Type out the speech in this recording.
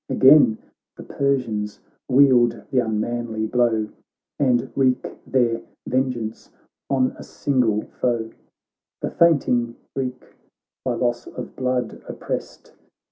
Again the Persians wield the unmanly blow ■ And wreak their vengeance on a single foe ; The fainting Greek, by loss of blood opprest.